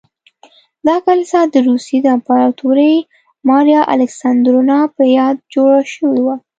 دا کلیسا د روسیې د امپراتورې ماریا الکساندرونا په یاد جوړه شوې وه.